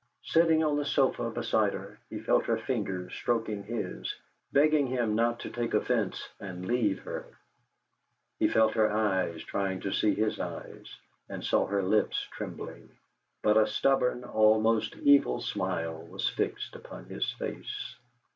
Sitting on the sofa beside her, he felt her fingers stroking his, begging him not to take offence and leave her. He felt her eyes trying to see his eyes, and saw her lips trembling; but a stubborn, almost evil smile was fixed upon his face.